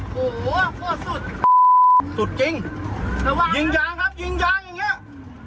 โหพวกสุดสุดจริงยิงยางครับยิงยางอย่างเงี้ย